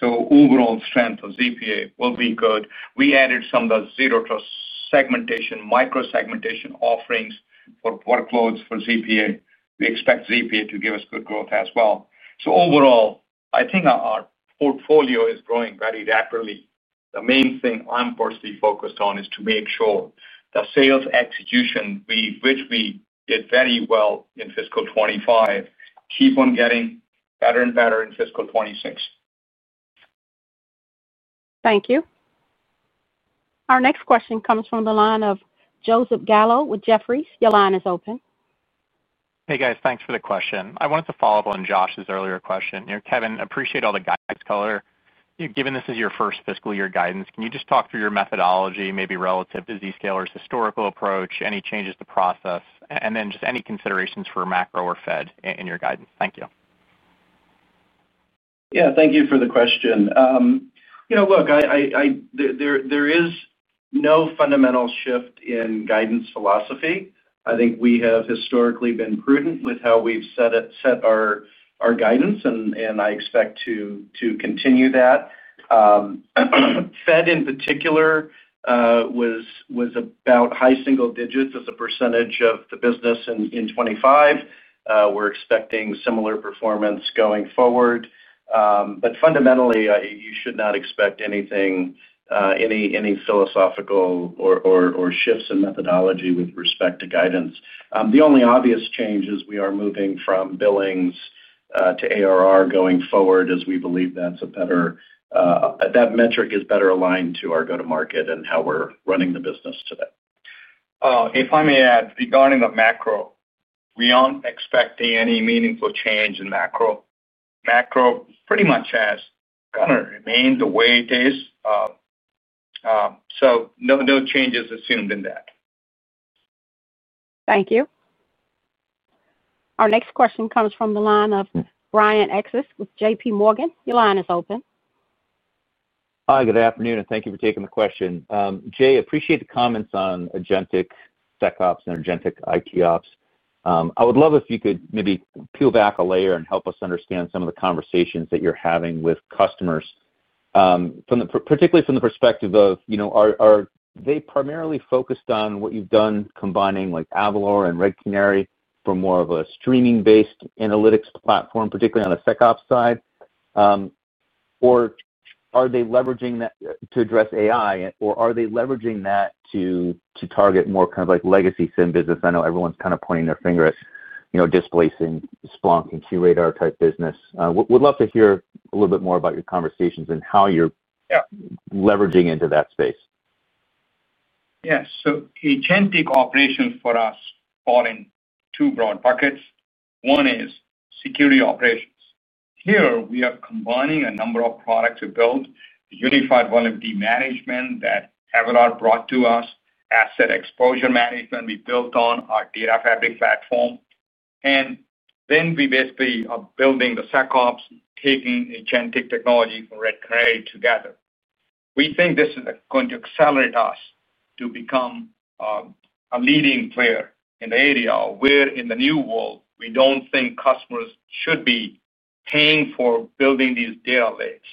The overall strength of ZPA will be good. We added some of the Zero Trust segmentation, micro-segmentation offerings for workloads for ZPA. We expect ZPA to give us good growth as well. Overall, I think our portfolio is growing very rapidly. The main thing I'm personally focused on is to make sure the sales execution, which we did very well in fiscal 2025, keeps on getting better and better in fiscal 2026. Thank you. Our next question comes from the line of Joseph Gallo with Jefferies. Your line is open. Hey, guys. Thanks for the question. I wanted to follow up on Josh's earlier question. Kevin, I appreciate all the guidance color. Given this is your first fiscal year guidance, can you just talk through your methodology, maybe relative to Zscaler's historical approach, any changes to process, and then just any considerations for macro or Fed in your guidance? Thank you. Yeah, thank you for the question. There is no fundamental shift in guidance philosophy. I think we have historically been prudent with how we've set our guidance, and I expect to continue that. Fed in particular was about high single digits as a % of the business in 2025. We're expecting similar performance going forward. Fundamentally, you should not expect anything, any philosophical or shifts in methodology with respect to guidance. The only obvious change is we are moving from billings to ARR going forward, as we believe that metric is better aligned to our go-to-market and how we're running the business today. If I may add, regarding the macro, we aren't expecting any meaningful change in macro. Macro pretty much has kind of remained the way it is, so no changes assumed in that. Thank you. Our next question comes from the line of Brian Essex with JP Morgan. Your line is open. Hi, good afternoon, and thank you for taking the question. Jay, I appreciate the comments on agentic SecOps and agentic ITOps. I would love if you could maybe peel back a layer and help us understand some of the conversations that you're having with customers, particularly from the perspective of, you know, are they primarily focused on what you've done combining like Avalor and Red Canary for more of a streaming-based analytics platform, particularly on the SecOps side? Or are they leveraging that to address AI, or are they leveraging that to target more kind of like legacy SIM business? I know everyone's kind of pointing their finger at, you know, displacing Splunk and QRadar type business. We'd love to hear a little bit more about your conversations and how you're leveraging into that space. Yes, so agentic operations for us fall into two broad buckets. One is security operations. Here, we are combining a number of products we built, Unified Vulnerability Management that Avalor brought to us, asset exposure management we built on our data fabric platform. Then we basically are building the SecOps, taking agentic technology from Red Canary together. We think this is going to accelerate us to become a leading player in the area where, in the new world, we don't think customers should be paying for building these data lakes.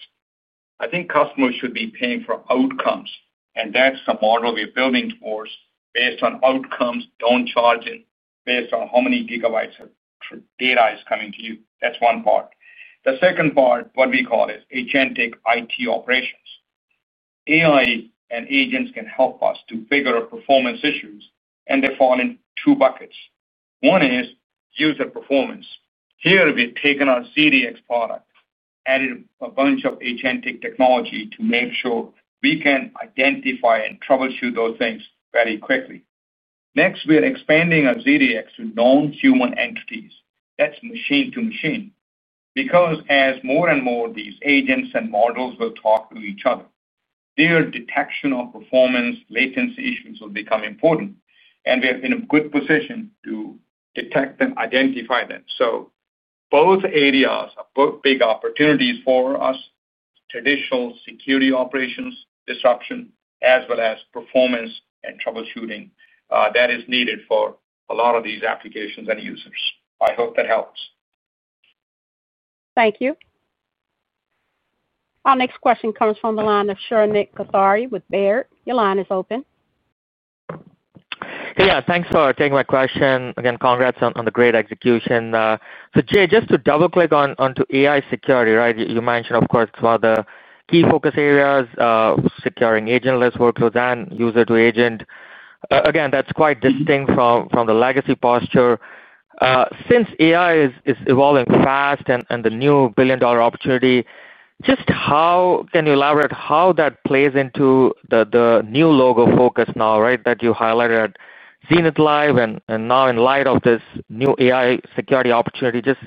I think customers should be paying for outcomes, and that's the model we're building towards, based on outcomes, don't charge it, based on how many gigabytes of data is coming to you. That's one part. The second part, what we call is agentic IT operations. AI and agents can help us to figure out performance issues, and they fall into two buckets. One is user performance. Here, we've taken our ZDX product, added a bunch of agentic technology to make sure we can identify and troubleshoot those things very quickly. Next, we are expanding our ZDX to non-human entities. That's machine-to-machine. As more and more of these agents and models will talk to each other, their detection of performance latency issues will become important, and we're in a good position to detect and identify them. Both areas are big opportunities for us, traditional security operations disruption, as well as performance and troubleshooting that is needed for a lot of these applications and users. I hope that helps. Thank you. Our next question comes from the line of Shrenik Kothari with Baird. Your line is open. Yeah, thanks for taking my question. Congrats on the great execution. Jay, just to double-click onto AI security, right? You mentioned, of course, one of the key focus areas, securing agentless workloads and user-to-agent. That's quite distinct from the legacy posture. Since AI is evolving fast and the new billion-dollar opportunity, can you elaborate how that plays into the new logo focus now, that you highlighted at Zenith Live? In light of this new AI security opportunity, can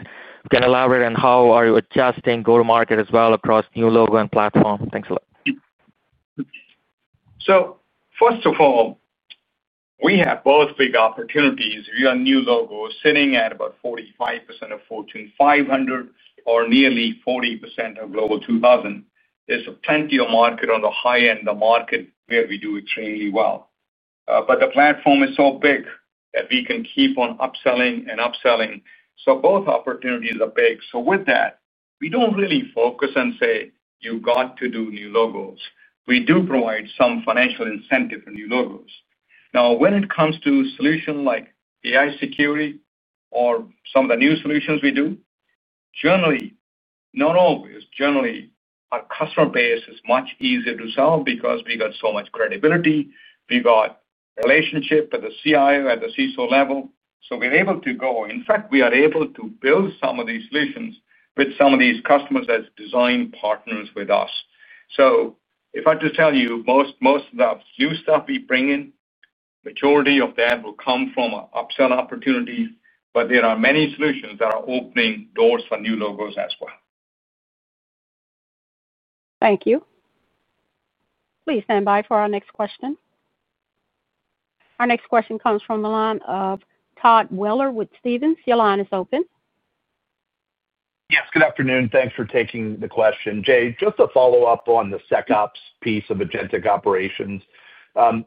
you elaborate on how you are adjusting go-to-market as well across new logo and platform? Thanks a lot. First of all, we have both big opportunities. If you're a new logo, sitting at about 45% of Fortune 500 or nearly 40% of Global 2000, there's plenty of market on the high end, the market where we do it really well. The platform is so big that we can keep on upselling and upselling. Both opportunities are big. With that, we don't really focus and say, you've got to do new logos. We do provide some financial incentive for new logos. Now, when it comes to solutions like AI security or some of the new solutions we do, generally, not always, generally, our customer base is much easier to sell because we've got so much credibility. We've got relationships with the CIO at the CISO level. We're able to go. In fact, we are able to build some of these solutions with some of these customers as design partners with us. If I have to tell you, most of the new stuff we bring in, the majority of that will come from upsell opportunities, but there are many solutions that are opening doors for new logos as well. Thank you. Please stand by for our next question. Our next question comes from the line of Todd Weller with Stephens. Your line is open. Yes, good afternoon. Thanks for taking the question. Jay, just to follow up on the SecOps piece of agentic operations,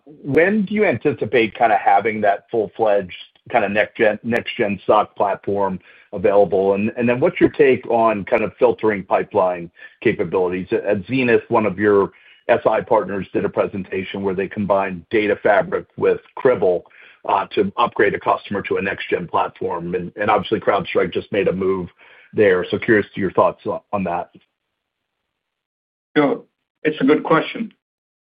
when do you anticipate kind of having that full-fledged kind of next-gen SOC platform available? What's your take on kind of filtering pipeline capabilities? At Zenith, one of your SI partners did a presentation where they combined data fabric with Cribble to upgrade a customer to a next-gen platform. Obviously, CrowdStrike just made a move there. Curious to your thoughts on that. It's a good question.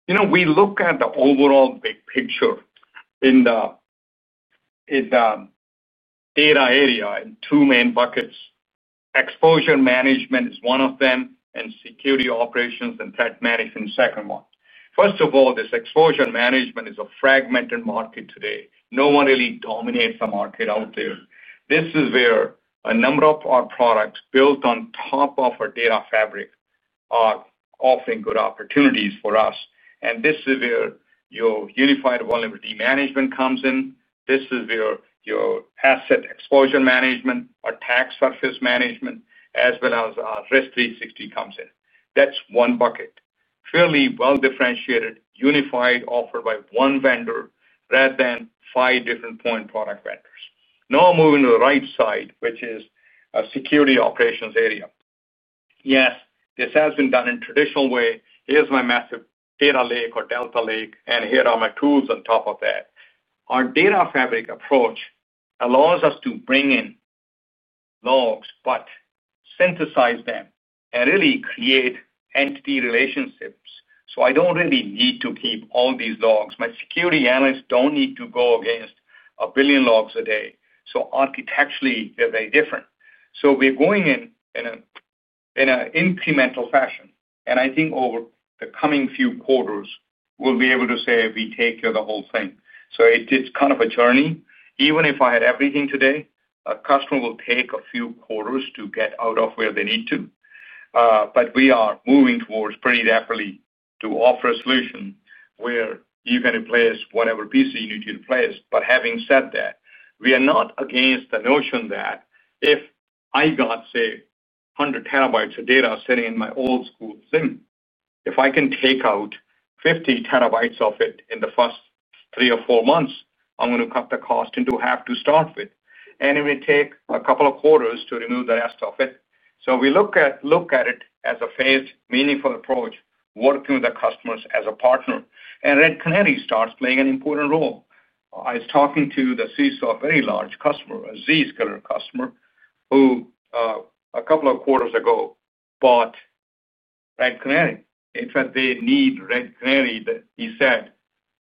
You know, we look at the overall big picture in the data area in two main buckets. Exposure management is one of them, and security operations and threat management is the second one. First of all, this exposure management is a fragmented market today. No one really dominates the market out there. This is where a number of our products built on top of our data fabric are offering good opportunities for us. This is where your Unified Vulnerability Management comes in. This is where your asset exposure management, attack surface management, as well as our Risk360 comes in. That's one bucket. Fairly well-differentiated, unified, offered by one vendor rather than five different point product vendors. Now, moving to the right side, which is a security operations area. Yes, this has been done in a traditional way. Here's my massive data lake or delta lake, and here are my tools on top of that. Our data fabric approach allows us to bring in logs, but synthesize them and really create entity relationships. I don't really need to keep all these logs. My security analysts don't need to go against a billion logs a day. Architecturally, they're very different. We're going in in an incremental fashion. I think over the coming few quarters, we'll be able to say we take care of the whole thing. It's kind of a journey. Even if I had everything today, a customer will take a few quarters to get out of where they need to. We are moving towards pretty rapidly to offer a solution where you can replace whatever pieces you need to replace. Having said that, we are not against the notion that if I got, say, 100 TB of data sitting in my old-school thing, if I can take out 50 TB of it in the first three or four months, I'm going to cut the cost into half to start with. It may take a couple of quarters to remove the rest of it. We look at it as a phased, meaningful approach, working with the customers as a partner. Red Canary starts playing an important role. I was talking to the CISO, a very large customer, a Zscaler customer, who a couple of quarters ago bought Red Canary. In fact, they need Red Canary. He said,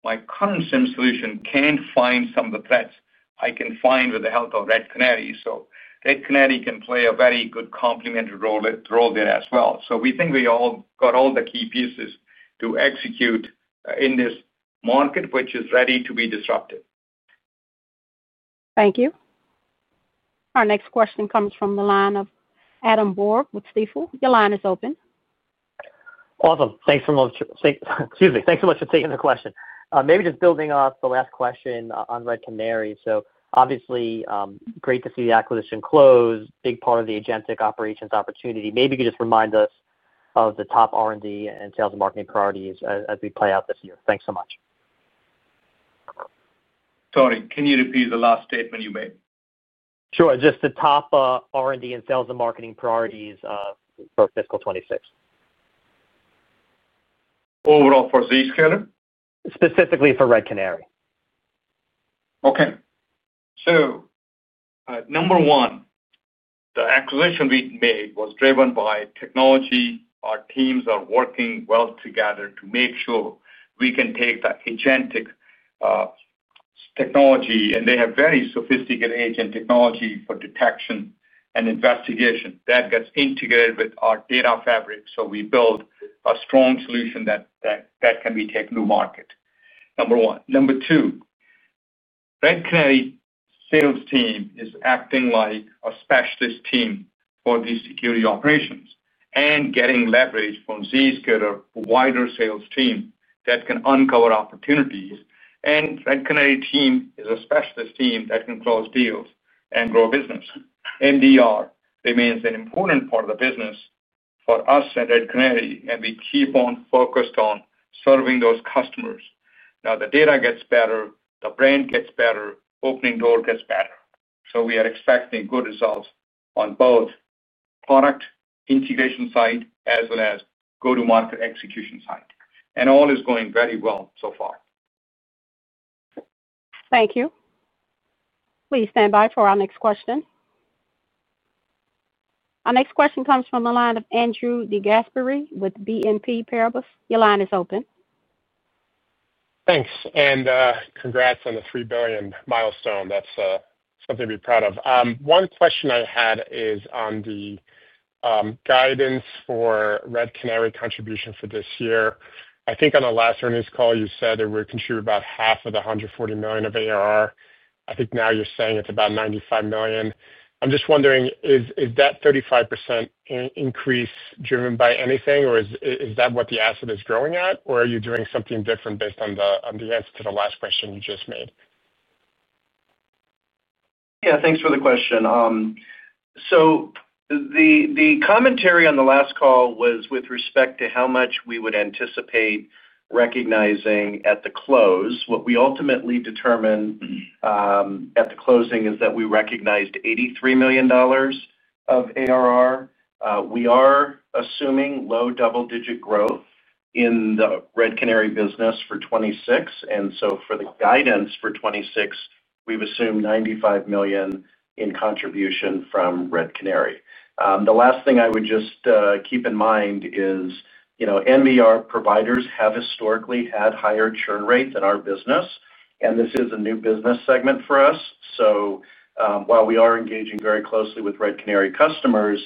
"My current SIM solution can't find some of the threats I can find with the help of Red Canary." Red Canary can play a very good complementary role there as well. We think we all got all the key pieces to execute in this market, which is ready to be disrupted. Thank you. Our next question comes from the line of Adam Borg with Zscaler. Your line is open. Awesome. Thanks so much. Thanks so much for taking the question. Maybe just building off the last question on Red Canary. Obviously, great to see the acquisition close, big part of the agentic operations opportunity. Maybe you could just remind us of the top R&D and sales and marketing priorities as we play out this year. Thanks so much. Sorry, can you repeat the last statement you made? Sure. Just the top R&D and sales and marketing priorities for fiscal 2026. Overall for Zscaler? Specifically for Red Canary. Okay. Number one, the acquisition we made was driven by technology. Our teams are working well together to make sure we can take the agentic technology, and they have very sophisticated agent technology for detection and investigation that gets integrated with our data fabric. We build a strong solution that can be taken to market, number one. Number two, Red Canary's sales team is acting like a specialist team for these security operations and getting leverage from Zscaler's wider sales team that can uncover opportunities. Red Canary's team is a specialist team that can close deals and grow business. MDR remains an important part of the business for us at Red Canary, and we keep on focused on serving those customers. Now, the data gets better, the brand gets better, the opening door gets better. We are expecting good results on both the product integration side as well as go-to-market execution side. All is going very well so far. Thank you. Please stand by for our next question. Our next question comes from the line of Andrew Degasperi with BNP Paribas. Your line is open. Thanks, and congrats on the $3 billion milestone. That's something to be proud of. One question I had is on the guidance for Red Canary contribution for this year. I think on the last earnings call, you said it would contribute about half of the $140 million of ARR. I think now you're saying it's about $95 million. I'm just wondering, is that 35% increase driven by anything, or is that what the asset is growing at, or are you doing something different based on the answer to the last question you just made? Yeah, thanks for the question. The commentary on the last call was with respect to how much we would anticipate recognizing at the close. What we ultimately determined at the closing is that we recognized $83 million of ARR. We are assuming low double-digit growth in the Red Canary business for 2026, and for the guidance for 2026, we've assumed $95 million in contribution from Red Canary. The last thing I would just keep in mind is, you know, MDR providers have historically had higher churn rates in our business, and this is a new business segment for us. While we are engaging very closely with Red Canary customers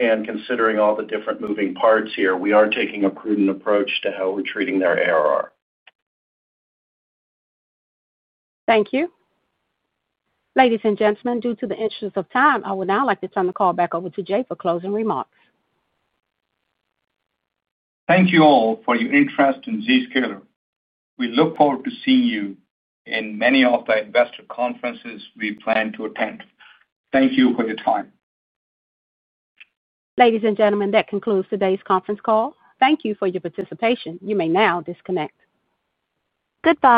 and considering all the different moving parts here, we are taking a prudent approach to how we're treating their ARR. Thank you. Ladies and gentlemen, due to the interest of time, I would now like to turn the call back over to Jay for closing remarks. Thank you all for your interest in Zscaler. We look forward to seeing you in many of the investor conferences we plan to attend. Thank you for your time. Ladies and gentlemen, that concludes today's conference call. Thank you for your participation. You may now disconnect. Goodbye.